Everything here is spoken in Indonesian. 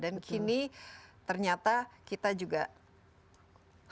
dan kini ternyata kita juga harus mengambil alih